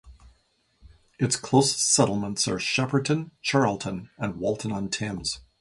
Its closest settlements are Shepperton, Charlton and Walton on Thames.